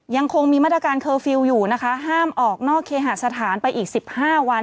ยังคงมีมาตรการเคอร์ฟิลล์อยู่นะคะห้ามออกนอกเคหาสถานไปอีก๑๕วัน